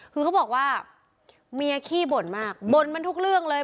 คือเขาบอกว่าเมียขี้บ่นมากบ่นมันทุกเรื่องเลย